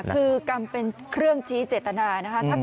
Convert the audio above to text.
คือกรรมเป็นเครื่องชี้เจตนานะคะ